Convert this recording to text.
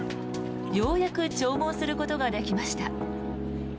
ようやく弔問することができました。